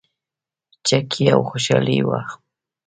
چکې او خوشحالي وه.